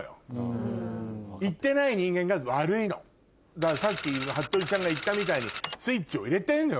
だからさっきはっとりちゃんが言ったみたいにスイッチを入れてるのよ